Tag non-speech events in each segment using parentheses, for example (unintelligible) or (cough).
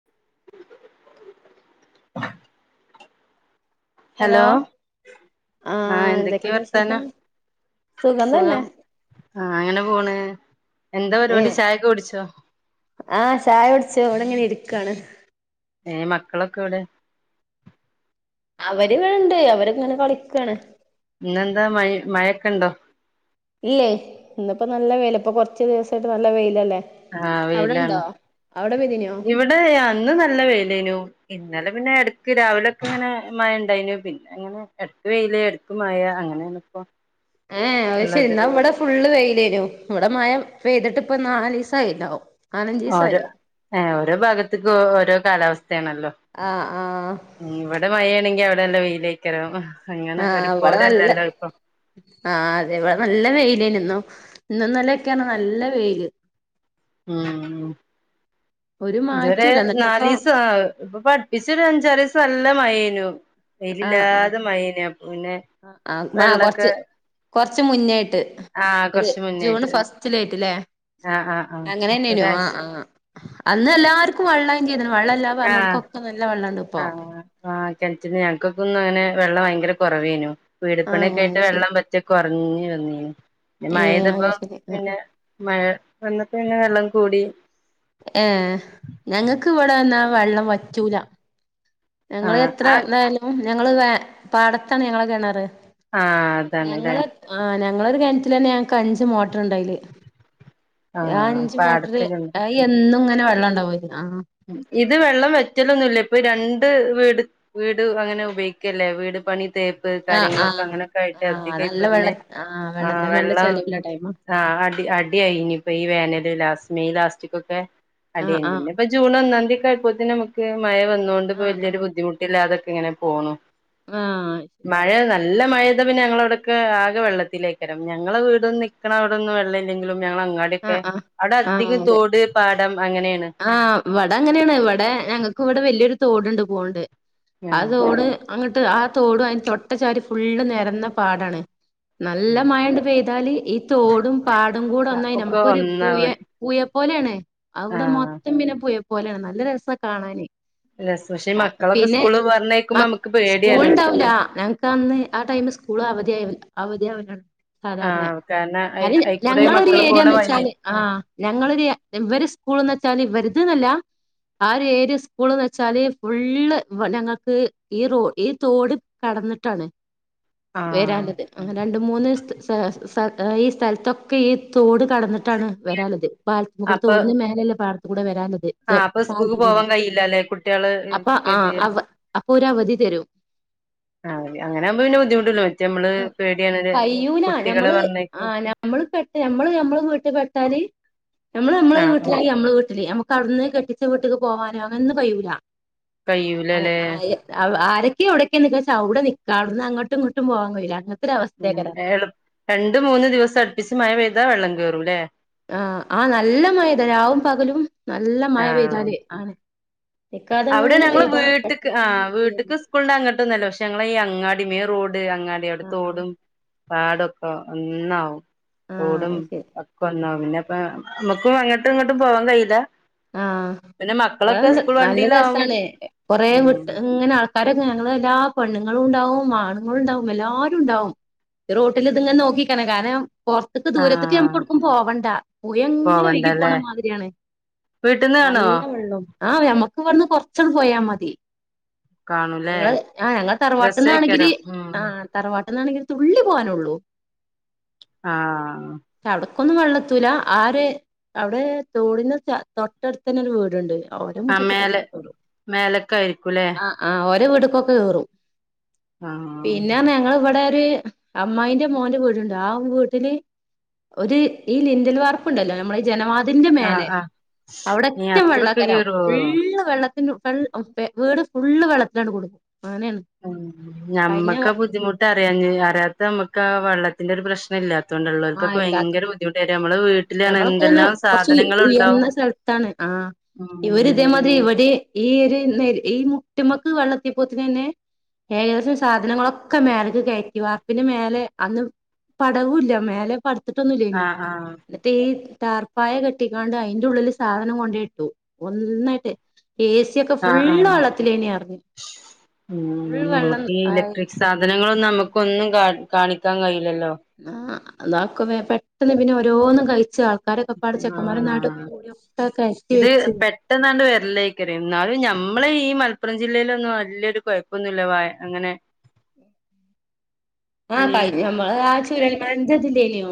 (inaudible) Hello ആ ആഹ് എന്തൊക്കെ എന്തൊക്കെയുണ്ട് വിശേഷം വർത്താനം സുഖം ആഹ് ഇങ്ങനെ പോണ് എന്താ പരിപാടി ഏഹ് ചായക്കെ കുടിച്ചോ ആഹ് ചായ കുടിച്ചു ഇവടെ ഇങ്ങനെ ഇരിക്കാണ് ഏഹ് മക്കളൊക്കെ എവടെ അവര് ഇവട്ണ്ട് അവര് ഇങ്ങനെ കളിക്കാണ് ഇന്നെന്താ മഴിം മഴെക്കെണ്ടോ ഇല്ലേ ഇന്ന്പ്പം നല്ല വെയില ഇപ്പം കൊറച്ച് ദിവസായിട്ട് നല്ല വെയിലല്ലേ ആഹ് വെയിലാണ് അവിടെണ്ടോ അവിടെ പെയ്തിനോ ഇവടെ ഞാ ഇന്ന് നല്ല വെയ്ലേനു ഇന്നലെ പിന്നെ എടക്ക് രാവിലെ ഒക്കെ ഇങ്ങനെ മഴ ഇണ്ടായിനു പിന്നെ ഇങ്ങനെ എടക്ക് വെയില് എടക്ക് മഴ അങ്ങനേണ് ഇപ്പോ ഏഹ് അത് ശരി ഉള്ളത് ഇന്നാ ഇവടെ ഫുള്ള് വെയിലേനു ഇവടെ മഴ പെയ്തിട്ട്പ്പം നാലീസായിണ്ടാവും ഓരോ നാലഞ്ചീസായി ഏഹ് ഓരോ ഭാഗത്ത്ക്കും ഒ ഓരോ കാലാവസ്ഥേണല്ലോ അഹ് ആഹ് ഉം ഇവടെ മഴേണങ്കി അവടെ എന്താ വെയിലേക്കാരം അങ്ങനെ ആഹ് ഇവിടെ ഒരുപോലെ നല്ല അല്ലല്ലോ ഇപ്പം ആഹ് അതെ ഇവടെ നല്ല വെയിലേന് ഇന്നും ഇന്നും ഇന്നലൊക്കെണ് നല്ല വെയ്ല് ആഹ് ഒരു ഇത് വരെ മാറ്റൂല്ല എന്നിട്ടിപ്പോ നാലീസാ ഇപ്പൊ അട്പ്പിച്ച് ഒരു അഞ്ചാറീസം നല്ല മഴേനു ആഹ് ആഹ് വെയ്‌ലില്ലാതെ മഴേനു അപ്പ പിന്നെ ആ ആ വെള്ളൊക്കെ കൊറച്ച് കൊറച്ച് മുന്നേ ആയിട്ട് ആ ഒരു കൊറച്ച് ജൂൺ മുന്നേയായിട്ട് ഫസ്റ്റിലായിട്ട് ലേ ആ ആ ആ അങ്ങനെന്നെനു ഒരാഴ്ച ആഹ് ആഹ് അന്ന് എല്ലാർക്കും വെള്ളം ആവും ചെയ്ത്ണ് വെള്ളം ഇല്ലാ പറഞ്ഞോൽക്കൊക്കെ നല്ല വെള്ളംണ്ട്പ്പോ ആഹ് കെൻറ്റ്ന്ന് ഞങ്ങക്കൊക്കെന്നും അങ്ങനെ വെള്ളം ഭയങ്കര കൊറവേനു വീട് ആ പണിയൊക്കെ ആയിട്ട് ശരി വെള്ളം പറ്റെ കൊറഞ്ഞ് വന്നീനി പിന്നെ ഏ മഴ അത് പെയ്തപ്പോ ശരി ആ പിന്നെ മഴ വന്നപ്പം പിന്നെ വെള്ളം കൂടി ഏഹ് ഞങ്ങക്ക് ഇവടെ ന്നാ വെള്ളം വറ്റൂല ആ ഞങ്ങള് എത്ര ആ ഇതായാലും ഞങ്ങള് വേ പാടത്താണ് ഞങ്ങളെ കെണറ് ആ അതാണ്ല്ലേ ഞങ്ങള് ആ ഞങ്ങളെ ഒരു കൊൻറ്റിലന്നെ ഞങ്ങക്ക് അഞ്ച് മോട്ടറ്ണ്ട് ഐല് ആ അഞ്ച് മോട്ടറ് പാടത്ത് കിണറ് അത് എന്നും ഇങ്ങനെ വെള്ളണ്ടാവും ഐല് ആ ഇത് വെള്ളം വറ്റലൊന്നുല്ല ഇപ്പം രണ്ട് വീട് വീട് അങ്ങനെ ഉപയോഗിക്കല്ലേ വീട് പണി തേ പ്പ് ആഹ് കാര്യങ്ങളൊക്കെ ആഹ് അങ്ങനൊക്കെ ആയിട്ട് ആഹ് അധികം നല്ല ഇപ്പം വെള്ള പിന്നെ ആഹ് ആ വെള്ളത്തിന് നല്ല വെള്ളം ചെലവില്ല ടൈമാ ആഹ് അടി അടിയായിനി ഇപ്പം ഈ വേനല് ലാസ്റ്റ് മെയ് ലാസ്റ്റ്ക്കൊക്കെ ആഹ് അടിയായിനി ആഹ് പിന്നെ ഇപ്പ ജൂൺ ഒന്നാന്തി ഒക്കെ ആയപ്പോത്തിന് ഞമ്മക്ക് മഴ വന്നോണ്ട് ഇപ്പം ആഹ് വല്യൊര് ആഹ് ബുദ്ധിമുട്ടില്ലാതൊക്കെ ഇങ്ങനെ പോണു ആഹ് ശരി മഴ നല്ല മഴയത്ത് പിന്നെ ഞങ്ങളവിടക്കെ ആകെ വെള്ളത്തിലേക്കാരം ഞങ്ങളെ വീട് ന്നി ക്കണ അവിടൊന്നും വെള്ളം ഇല്ല്യങ്കിലും ഞങ്ങള ആഹ് അങ്ങാടിയൊക്കെ ആഹ് അവടെ ആഹ് അധികം അതെ തോട് പാടം അങ്ങനെണ് ആഹ് ഇവടെ അങ്ങനേണ് ഇവടെ ഞങ്ങൾക്ക് ഇവടെ വല്യൊരു തോട്ണ്ട് പോവ്ണ്ട് ആഹ് ആ തോട് അങ്ങട്ട് ആഹ് തോടും ഐന്റെ തൊട്ട് ച്ചാരി ഫുള്ള് നെരന്ന പാടാണ് നല്ല മഴേണ്ട് പെയ്താല് ഈ തോടും പാടം കൂടെ ഒന്നായി ഒക്കെ നമുക്കൊരു പുഴ ഒന്നാവാ പുയ പോലെയാണ് അവിടെ ആഹ് മൊത്തം പിന്നെ പുയ പോലെയാണ് നല്ല രസാ കാണാന്. രസ പക്ഷെ ഈ ആഹ് മക്കളൊക്കെ പിന്നെ സ്കൂള് പറഞ്ഞയക്കുമ്പോ മക് നമുക്ക് സ്കൂൾ പേടിയാണ് ഇണ്ടാവൂല്ലാ ഞങ്ങ് ക്കെ അന്ന് ആഹ് ടൈമ് സ്കൂള് അവധിയാവൽ അവധി ആവലാണ് സാധാരണ ആഹ് കാരണം ഇന്നാലും അയിക്കൂടെ ഈ ഞങ്ങളൊരു മക്കള് പോണ ഏരിയാന്ന് വഴിയേ വെച്ചാല് ആഹ് ഞങ്ങളൊരു ഇവര് സ്കൂൾന്ന് വെച്ചാല് ഇവര്ത് ന്നല്ലാ ആഹ് ഒരു ഏരിയ സ്കൂൾന്ന് വെച്ചാല് ഫുള്ള് ഇവ് ഞങ്ങക്ക് ഈ റോ ഈ തോട് കടന്നിട്ടാണ് ആഹ് വെരാളളത് ആഹ് രണ്ട് മൂന്ന് സ്ഥ സ് സ ഈ സ്ഥലത്തൊക്കെ ഈ തോട് കടന്നിട്ടാണ് വെരാള്ളത് പാലത്ത്മ്മേക്കൂടെ അപ്പൊ തോടിന് മേലെയെല്ലം പാടത്ത് കൂടെ വെരാള്ളത് ആഹ് അപ്പൊ സകൂൾക്ക് പോവാൻ കയൂല്ലാല്ലേ കുട്ട്യേള് ഉം അപ്പൊ ആ ഗെതികെട് അപ്പൊ ഒരു അവധി തരും അങ്ങനെ അങ്ങനെയാകുമ്പം പിന്നെ ബുദ്ധിമുട്ടൂല്ലാ മറ്റേ അമ്മള് ആ പേടിയാണ് കുട്ടികളെ പറഞ്ഞയക്കും നമ്മള് പെട്ട് നമ്മള് നമ്മള് വീട്ട് പെട്ടാല് നമ്മള് നമ്മളെ ആഹ് വീട്ടിലാ ആഹ് നമ്മള് വീട്ടില് ഞമ്മക്ക് അവിടുന്ന് കെട്ടിച്ച വീട്ട്ക്ക് പോവാന് അങ്ങനൊന്നും കയ്യൂലാ അങ്ങനെ കയ്യൂലല്ലേ (unintelligible) അ ആരൊക്കെയാ എവിടൊക്കെ നിക്കാച്ചാ അവടെ നിക്കാ അവിടുന്ന് അങ്ങട്ടും ഇങ്ങട്ടും പോവാൻ കയൂല്ലാ അങ്ങൻ ഉം ഏഹ് ഏള് രണ്ട് മൂന്ന് ദിവസം അടുപ്പിച്ച് മഴ പെയ്താ വെള്ളം കേറൂല്ലേ ആഹ് ആഹ് നല്ല മയപെയ്താ രാവും പകലും നല്ല മയ ആഹ് പെയ്താല് ആണ് അവിടെ നിക്കാതെങ്ങനെ പെയ്താ (unintelligible) കൊണ്ട് അങ്ങട്ടൊന്നും അല്ലാ പക്ഷെ ഞങ്ങളെ ഈ അങ്ങാടി മെയിൻ റോഡ് അങ്ങാടി അവിടെ ആഹ് ആഹ് തോടും പാടൊക്കെ ഒന്നാവും ആഹ് തോടും അത് ശരി പ ക്കൊന്നാവും പിന്നെ അപ്പ നമ്മുക്കും അങ്ങട്ടും ഇങ്ങട്ടും പോവാൻ കയ്യൂല്ലാ ആഹ് പിന്നെ ഇവടെ മക്കളൊക്കെ സ്കൂൾ വണ്ട് നല്ല രസാണ് കൊറേ വിട്ട് ഇങ്ങനെ ആൾ ക്കാര് (unintelligible) ഞങ്ങള് എല്ലാ പെണ്ണുങ്ങളും ഇണ്ടാവും ആണുങ്ങളും ഇണ്ടാവും എല്ലാരും ഇണ്ടാവും റോട്ടിൽ ഇതിങ്ങനെ നോക്കിക്കാണ് കാരണം പൊറത്ത്ക്ക് ദൂരത്ത്ക്ക് ഞമ്മക്ക് ആഹ് എവുടുക്കും പോവണ്ടാ പുയെങ്ങനെ ഒഴുകി പോവണ്ടല്ലേ പോണ മാതിരിയാണ് വീട്ടിൽന്ന് കാണുവോ നല്ല വെള്ളോം ആഹ് ഞമ്മക്ക് ഇവടെന്ന് കൊറച്ചങ്ങ് പോയാ മതി കാണൂല്ലേ ഞങ്ങള് ആഹ് ഞങ്ങള് തറവാട്ട്ന്നാണെങ്കില് രസേക്കരം ഉം ആഹ് തറവാട്ട്ന്നാണെങ്കിൽ തുള്ളി പോവാനുള്ളൂ ആഹ് അവിടെക്കൊന്നും വെള്ളെത്തൂലാ ആ ഒര് അവിടെ തോടിന് (unintelligible) തൊട്ടടുത്തന്നെ ഒരു വീട്ണ്ട് ആഹ് ഓരെ ആ മുറ്റത്ത്ക്കൊക്കെ മേലെ കേറും മേലക്ക ആയിരിക്കൂല്ലേ ആഹ് ആഹ് ഓരെ വീട്ട്ക്ക്ക്കൊക്കെ കേറും ആഹ് പിന്നെ പറഞ്ഞാ ഞങ്ങള് ഇവിടെ ഒര് അമ്മായിന്റെ മോന്റെ വീട്ണ്ട് ആഹ് വീട്ടില് ഒരു ഈ ലിൻഡൽവാർ ഇണ്ടല്ലോ നമ്മളെ ഈ ജനവാതിലിന്റെ ആഹ് മേലെ ആഹ് നീ അവിടറ്റം അത്രൊക്കെ വെള്ളാക്കാരം കേറുവോ ഫുള്ള് വെള്ള ത്തിന്റെ (unintelligible) വീട് ഫുള്ള് വെള്ളത്തിലാണ് (unintelligible) അങ്ങനെയാണ് ആഹ് കഴിഞ്ഞ ഞമ്മക്കാ ബുദ്ധിമുട്ട് അറിയാഞ്ഞെ അറിയാത്തെ നമ്മക്കാ വെള്ളത്തിന്റെ ഒരു പ്രശ്നം ഇല്ലാത് ത്തോണ്ടാ ഇള്ളോൽക്കൊക്കെ ഭയങ്കര ബുദ്ധ് ആഹ് ഞമ്മളൊക്കെ ഇങ്ങനെ കൊറച്ച് സാധനങ്ങളുണ്ടാവും ഉയർന്ന സ്ഥലത്താണ് ആഹ് ഇവര് ഉം ഇതേമാതിരി ഇവിടെ ഈ ഒരു നെര് ഈ മുട്ടിമ്മക്ക് വെള്ളെത്തിപ്പോത്തിന് തന്നെ ഏകദേശം സാധനങ്ങളൊക്കെ മേലേക്ക് കേറ്റി വാർപ്പിന് മേലെ അന്ന് പടവൂല്ലാ മേലെ പടത്തിട്ടൊന്നുല്ലേനി ആഹ് ആഹ് എന്നിട്ട് ഈ ടാർപ്പായ കെട്ടിങ്ങാണ്ട് അയിന്റെ ഉള്ളില് സാധനം കൊണ്ടേയിട്ടു ഒന്നായിട്ട് എ സി ഒക്കെ ആഹ് ഫുള്ള് ആഹ് വെള്ളത്തിലായ്നി പറഞ്ഞ് ഫുൾ ഉം വെള്ളം നമുക്ക് ഈ ആയി. ഇലക്ട്രിക് സാധനങ്ങളൊന്നും നമ്മക്കൊന്നും കാ കാണിക്കാൻ കയ്യൂലല്ലോ. ആഹ് (unintelligible) പെട്ടെന്ന് പിന്നെ ഓരോന്നും കയിച്ചാ ആ കടെക്കപ്പാടെ ചെക്കൻമാര് ഒന്നായിട്ട് ആഹ് കൂടി ഒക്കെ കെയറ്റി വെച്ച്. ട്ടന്നാണ്ട് വെര്ലയ്ക്കാരം ഇന്നാലും ഞമ്മളെ ഈ മലപ്പുറം ജില്ലയിലൊന്നും വല്ല്യൊരു കൊയപ്പൊന്നുല്ല വായ അങ്ങനെ. ഈ ആഹ് കയ്ഞ്ഞമ്മള് ആ ചൂരൽ മഴന്റതില്ലേന്യോ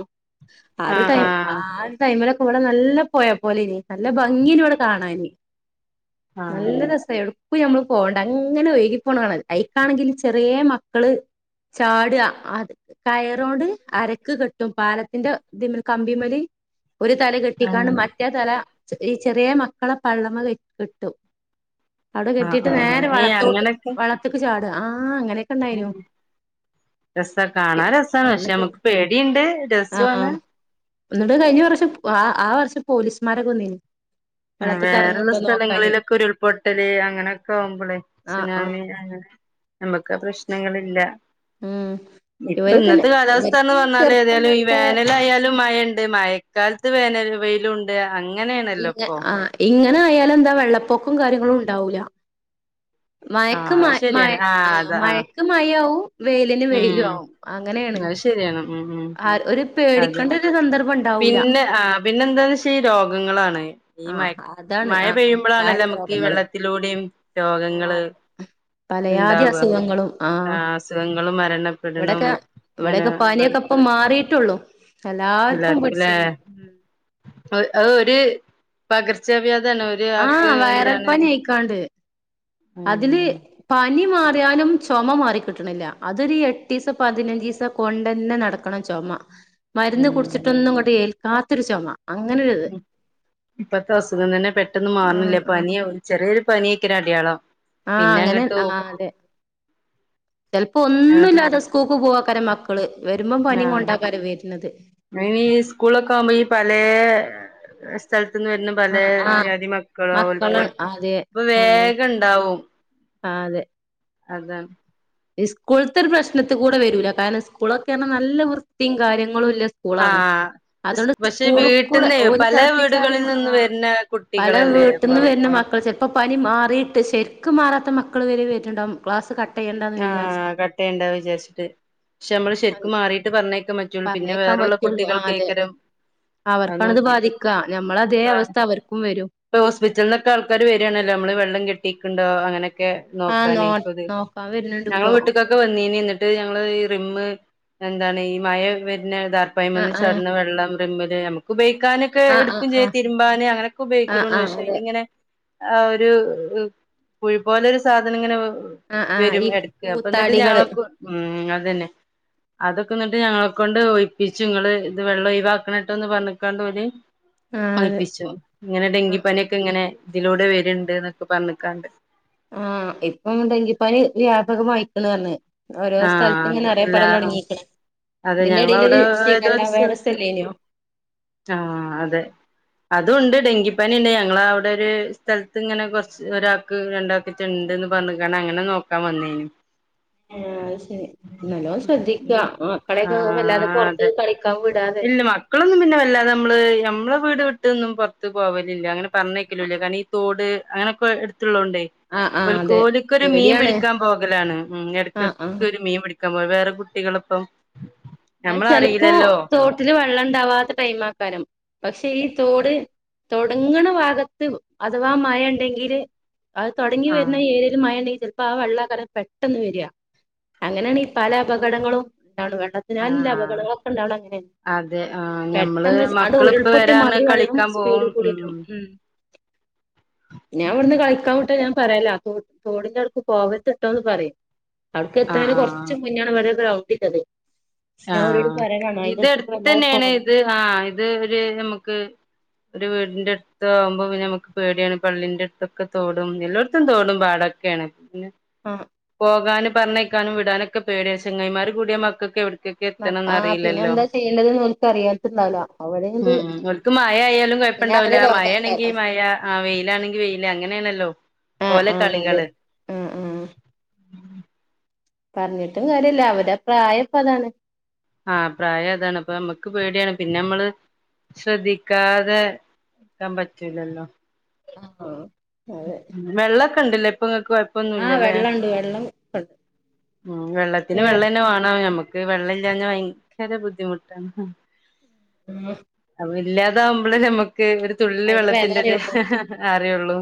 ആ ഒരു ആഹ് ടൈം ആഹ് ആ ടൈമിലൊക്കെ ഇവടെ നല്ല പൊഴ പോലേനി നല്ല ഭംഗിയ്നു ഇവട കാണാന്. ആഹ് നല്ല രസേന്നു. പ്പ ഞ്ഞമ്മള് പോകണ്ട അങ്ങനെ ഒയ്കി പോക്ണ കാണത് അയ്ക്കാണെങ്കില് ചെറ്യേ മക്കള് ചാ ട്വ അ കയറോണ്ട് അരക്ക് കെട്ടും പാലത്തിന്റെ തിമല് കമ്പിമല്. ഒരു തല ആഹ് കെട്ടിക്കാണ്ട് മറ്റേ തല ചെറിയ ചെറിയ മക്കളെ പള്ളമ്മ കെ കെട്ടും. അവ്ടെ ആഹ് കെട്ടീട്ട് നേരെ ആഹ് ഏ വളത്തോട്ട് അങ്ങനൊക്കെ വള്ളത്ത്ക്ക് ചാട ആഹ് അങ്ങനെക്കെണ്ടായിനു. രസ കാണാ രസാണ് ആ പക്ഷെ എന്നിട്ട് നമുക്ക് പേടിണ്ട് രസുവാണ്. ഇന്നട്ട് കയ്ഞ്ഞ വർഷം ആ ആ വർഷം പോലീസ്മാരൊക്കെ വന്നീനി. അ വെള്ളത്ത്ക്ക് എറങ്ങു വേറെള്ള സ്ഥലങ്ങളിലൊക്കെ ഉരുൾപൊട്ടല് അങ്ങനൊക്കാവുമ്പളേ. ആഹ് ആഹ് സുനാമി അങ്ങനെ നമ്മക്ക് ആ പ്രശ്നങ്ങളില്ല. ഉം ഇപ്പ ഇവര് തന്നെ ഇന്നത്തെ ഇവര് കാലാവസ്ഥാന്ന് പറഞ്ഞാല് ഏതായാലും ഈ വേനലായാലും മയണ്ട് മയ് കാലത്ത് വേനൽ വെയിലൂണ്ട് അങ്ങനേണല്ലൊ. ഇങ്ങ ആഹ് ഇങ്ങനായാലെന്താ വെള്ളപ്പൊക്കും കാര്യങ്ങളും ഉണ്ടാവൂല. മയക്ക് ആഹ് അത് മയ് മയ ശരിയാണ് ആഹ് അതാ മയ ക്ക് മയാവും വെയിലിന് ഉം വെയിലു ആവും അങ്ങനേണ് അത് ശരിയാണ് ഉം ഉം ആര് ഒരു പെ പേടിക്കണ്ടരു സന്ദർഭണ്ടാവൂല. പിന്നെന്താ വിഷയ് രോഗങ്ങളാണ്. ഈ മയ ആഹ് അതാണ് മയ ആ പെയ്യുമ്പളാണല്ലൊ നമ്മക്ക് അസുഖങ്ങള് വെള്ളത്തിലൂടിം ആ രോഗങ്ങള്. അതെ പലയാതി ഇണ്ടാവ അസുഖങ്ങളും ആഹ് അസുഖങ്ങും മരണപ്പെട്ണും ഇങ്ങനെ ഒരു. പ്പ മാറീട്ടൊള്ളു എല്ലാർക്കും പിട്ച്ചീനി ഉം. അത് അത് ഒര് പകർച്ചവ്യാദണ് ഒര് ആക്ക് ആഹ് വൈറൽ എന്താണ്. പനി ആയിക്കാണ്ട് അതില് ഉം പനി മാറ്യാലും ചൊമ മാറിക്കിട്ട്ണില്ല അതൊര് എട്ടീസം പതിനഞ്ചീസം. കൊണ്ടന്നെ നടക്കണം ചൊമ. മരുന്ന് ഉം കുടിച്ചിട്ടൊന്നും ഇങ്ങട്ട് ഏൽക്കാത്തൊരു ചൊമ അങ്ങനെ ഒരു. ഉം ഇപ്പത്തെ അസുഖം തന്നെ പെട്ടന്നും ആഹ് മാറ്ണില്ല ആഹ് പനിയും. ചെറിയൊരു പനിയക്കരം അടയാളം. ആഹ് പിന്നെ അങ്ങനെ അങ്ങോട്ട് ആഹ് അതെ ചെൽപ്പോ അങ്ങോട്ട് ഒന്നുല്ലാതെ സ്കൂക്ക് പോവാക്കാര മ ക്കള് വരുമ്പം പനിം കൊണ്ടാക്കാരം വര്ന്നത്. അയ്‌നീ സ്കൂൾലൊക്കാവുമ്പ ഈ പലേ സ്ഥൽത്ത്ന്ന് വര്നും. പലേ ആഹ് ആഹ് വ്യാധി മക്കള്വ മക്കള് ഓൽക്ക് അതെ ഇപ്പ ആഹ് ആഹ് വേഗണ്ടാവും. അതെ. അതാണ്. ഇസ്കൂൾത്തര് പ്രശ്നത്ത്കൂടെ വരൂല കാരണം സ്കൂളൊക്കെ പറഞ്ഞ നല്ല വൃത്തിം കാര്യങ്ങളൂല്ല സ് ആഹ്. അതോണ്ട് പക്ഷെ സ്കൂൾ കൂടെ വീട്ടിൽന്നേ ഓല് പല തെളപ്പിച്ചാറിയ വീടുകളിൽ നിന്ന് ആഹ് വരുന്ന പല കുട്ടികളല്ലേ വീട്ട്ന്ന് അപ്പൊ വര്ന മക്കള് ചെ പ്പ പനി മാറിയിട്ട് ശര്ക്ക് മാറാത്ത മക്കള് വരെ വര്ന്ണ്ടാവും ക്ലാസ് കട്ടെയ്യൽ. ആഹ് കട്ടെയ്യണ്ട വിചാര്ച്ചിട്ട് പക്ഷെ നമ്മള് ശരിക്കും മാറീട്ട് പറഞ്ഞേക്കാൻ പറ്റുള്ളു. പിന്നെ പറഞ്ഞേക്കാൻ വേറുള്ള കുട്ടികൾകേക്കരം. അവർക്കാണത് ബാധിക്ക നമ്മളെ അതേ അവസ്ഥ അവർക്കും വരും. ട്ട് ഹോസ്പിറ്റൽന്നൊക്കെ ആൾക്കാര് വരാണല്ലൊ നമ്മള് വെള്ളം കെട്ടിക്ക്ണ്ടോ അങ്ങനെക്കെ നോക്കാന് കൊത് ഒപ്പാൻ വരുണ് ഞങ്ങളെ വീട്ടിക്കൊക്കെ വന്നീനി ഇന്നിട്ട് ഞങ്ങള് ഈ റിമ്മ് എന്താണ് ഈ മഴ വര്നെ ഇതർ ആ പ്പൈംന്ന് ആ ചാടുന്ന വെള്ളം റിമ്മില് ഞമ്മക്ക് ഉപയോഗിക്കാന് ക്ക് ആ ആ ഇടുക്കും ആ ചെയ്ത് തിരുമ്പാന് അങ്ങനൊക്കെ ആ ആ ഉപയോഗിക്കുണൊള്ളൂ പക്ഷെ അതെ ഇതിങ്ങനെ ആ ഒരു പുഴു പോലെ ഒരു സാധനം ഇങ്ങനെ ആഹ് ആഹ് ഈ കൂത്താടികള് ആഹ് അതന്നെ അതൊക്കെങ്ങട്ട് ഞങ്ങളെക്കൊണ്ട് ഒഴിപ്പിച്ച് ഇങ്ങള് ഇത് വെള്ളം ഒഴിവാക്കണംട്ടോന്ന് പറഞക്കാണ്ട് ഓല് ആ അതെ ഒഴിപ്പിച്ചു. ഇങ്ങനെ ആ ഡെങ്കിപനിയൊക്കെ ഇങ്ങനെ ഇതിലൂടെ വരുണ്ട്ന്നൊക്കെ പറഞ്ഞിക്കാണ്ട് ആഹ് ഇപ്പോം ഡെങ്കിപ്പനി വ്യാപകമായിക്കണ് പറഞ്ഞ്. ഓരോ സ്ഥലത്ത് ആഹ് അത് ഇങ്ങനെ അല്ല അറിയപ്പെടലൊടങ്ങീക്ക്ണ്. അതെ ഇതിന്റെ എടീൽ ഞങ്ങളവിടെ ഒര് ഏതോ ശിഗല്ല ഒരു സ്ഥലത്ത് വൈറെസ്ലല്ലേയ്നോ ആഹ് അതെ അതുണ്ട് ഡെങ്കിപ്പനിണ്ട് ഞങ്ങളെ അവിടെ ഒരു സ്ഥലത്ത് ഇങ്ങനെ കൊറച്ച് ഒരാ ക്ക്, രണ്ടാക്കെറ്റെണ്ട്ന്ന് പറഞ്ഞ്കാണ്ട് അങ്ങനെ നോക്കാൻ വന്നേനു ആഹ് അത് ശരി നല്ലോം ശ്രദ്ധിക്ക അപ്പൊ മക്കളെക്കെ വല്ലാതെ ആഹ് പൊറത്ത് അതെ കളിക്കാൻ വിടാതെ ഇല്ല മക്കളൊന്നും പിന്നെ വല്ലാതെ ഞമ്മള് ഞമ്മളെ വീട് വിട്ടൊന്നും പൊറത്ത് പോവലില്ല അങ്ങനെ പറഞ്ഞേക്കലൂല്ല കാരണം ഈ തോട് അങ്ങനൊക്കെ എടുത്ത് ഇള്ളൊണ്ടെയ് ആഹ് ആഹ് ഓല്ക്ക് അതെ ഓൽക്കൊരു മീൻ പേടിയാണ് പിടിക്കാൻ പോകലാണ് ഉം ആഹ് എടക്കെടക്ക് ആഹ് ഒരു മീൻ പിടി ക്കാൻ പോവ വേറെ കുട്ടികളൊപ്പം അത് ചെലപ്പോ ഞമ്മളറിയില്ലല്ലോ തോട്ടില് വെള്ളം ഇണ്ടാവാത്ത ടൈം ആക്കാരം പക്ഷെ ഈ തോട് തൊടങ്ങുണ ഭാഗത്ത് അഥവാ മഴ ഇണ്ടെങ്കില് അത് തൊടങ്ങി ആഹ് വരുണ ഏര്യ ൽ മഴണ്ടെങ്കി ചെലപ്പോ ആ വെള്ളാകാരം പെട്ടെന്ന് വരാ അങ്ങനേണ് ഈ പല അപകടങ്ങളും ഇണ്ടാവണ് വെള്ളത്തിനാലുള്ള ആഹ് അപകടങ്ങളൊക്കെ ഇണ്ടാവുണത് അങ്ങനേണ് അതെ ആഹ് ഞമ്മള് മക്കളിപ്പ ഉരുൾപൊട്ടി വരാർന്ന് മാതിരി വെള്ളം കളിക്കാൻ സ്പീഡ് പോവും കൂടി ഉം വരും (inaudible) ഞാ ഇവിടുന്ന് കളിക്കാൻ വിട്ടാ ഞാൻ പറയലാ തോ തോടിന്റെ അവിടുക്ക് പോവര്ത്തിട്ടോ പറയും അവട്ക്ക് ആഹ് എത്ത്ണേന് ആഹ് കൊറച്ച് മുന്നാണ് ഇവടൊരു ഗ്രൗണ്ടിള്ളത് ആഹ് ഇത് അടുത്തേക്ക് എടുത്ത് വല്ലാതെ തന്നേണ് പോവ ഇത് ആഹ് ഇത് ഒരു ഞമ്മക്ക് ഒരു വീടിന്റെ എടു താവുമ്പം പിന്നെ ഞമ്മക്ക് പേടിയാണ് പള്ളിന്റെ എടുത്തൊക്കെ തോടും എല്ലോടത്തും തോടും പാടൊക്കെയാണ് പിന്നെ ആഹ് പോകാനും പറഞ്ഞേക്കാനും വിടാനൊക്കെ പേടിയാ ചെങ്ങായിമാര് കൂടിയ മക്കക്കെവി ആ പിന്നെ എന്താ ചെയ്യേണ്ടത് ന്ന് ഓല്ക്ക് അറിയാത്തിണ്ടാവൂല അവരയിനിത് ൽക്ക് മഴേയാലും കൊഴപ്പണ്ടാവുല മഴ ആണെങ്കി മഴ ആ വെയിലാണെങ്കി വെയില് അങ്ങനേണല്ലോ ആഹ് ഓലെ ആഹ് അതെ കളികള് ആഹ് ആഹ് പറഞ്ഞിട്ടും കാര്യല്ല അവരെ ആ പ്രായ ഇപ്പ അതാണ് ആഹ് പ്രായം അതാണ് അപ്പൊ ഞമ്മക്ക് പേടിയാണ് പിന്നെ ഞമ്മള് ശ്രദ്ധിക്കാതെ ഇരിക്കാൻ പറ്റൂല്ലല്ലോ ഉം വെള്ളൊക്കെ ഇണ്ട്ലെ ഇപ്പൊ ഇങ്ങക്ക് കൊഴ ആഹ് പ്പൊന്നുല്ലല്ലേ വെള്ളണ്ട് വെള്ളം ഉം വെള്ളത്തിന് വെള്ളം തന്നെ വേണം നമ്മക്ക് വെള്ളം ഇല്ലാഞ്ഞ ഭയങ്കര ബുദ്ധിമുട്ടാണ്. (unintelligible) അപ്പൊ ഇല്ലാതാവുമ്പളേ ഞമ്മക്ക് ഒരു തുള്ളി അയിന്റെ വെല വെള്ളത്തിൻ്റെത് അറിയുള്ളൂ അറിയൊള്ളു.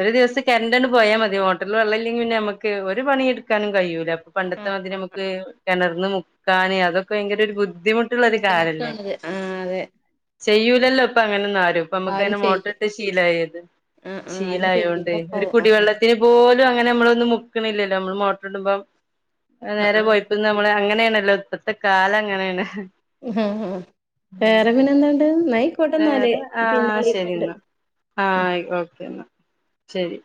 ഒരു ദിവസം കരണ്ടന്ന് പോയാ മതി മോ മോട്ടറില് വെള്ളം ഇല്ലെങ്കിൽ പിന്നെ നമുക്ക് ഒരു പണിയും എടുക്കാനും കഴിയൂല ഇപ്പൊ പണ്ടത്തെ ആഹ് മാതിരി ആഹ് നമുക്ക് കിണർന്ന് മു ക്കാന് അതൊക്കെ ഭയങ്കര ഒരു ബുദ്ധിമുട്ട് ള്ളൊരു കാര്യമല്ലേ ബുദ്ധിമുട്ടാണത് ആഹ് അതെ ചെയ്യൂലല്ലോ ഇപ്പൊ അങ്ങനൊന്നും ആരും നമുക്ക് അങ്ങനെ മോട്ടറിട്ട് ശീലായത് ആഹ് ആഹ് ശീലം ആരും ആയോണ്ടേ ഒരു ചെയ്യൂലപ്പത് ആഹ് കുടിവെള്ളത്തിന് പോലും അങ്ങനെ നമ്മളൊന്നും മുക്കണില്ലല്ലോ നമ്മള് മോട്ടർ ഇടുമ്പോ നേരെ ആഹ് പോയപ്പോ നമ്മള് അങ്ങനെയാണല്ലോ ഇപ്പത്തെ കാലം അങ്ങനെയാണ് ആഹ് വേറെ പിന്നെ എന്താണ്ട് എന്നാൽ ആയിക്കോട്ടെന്നാല് വേറെ പിന്നെ ആഹ് ശരി വിളിക്കണുണ്ട് എന്നാ ആഹ് ആയിക്കോ ഓക്കെ എന്നാ ശെരി